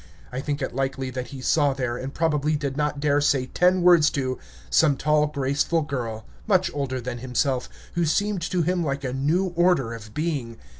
I think it likely that he saw there, and probably did not dare say ten words to, some tall, graceful girl, much older than himself, who seemed to him like a new order of being.